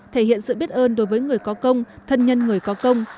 thể hiện sự biết ơn đối với người có công thân nhân người có công